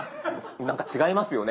なんか違いますよね。